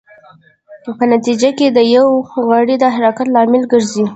په نتېجه کې د یو غړي د حرکت لامل ګرځي.